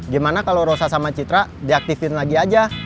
gimana kalau rosa sama citra diaktifin lagi aja